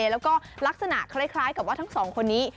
แล้วก็ลักษณะคล้ายกับว่าทั้งสองคนนี้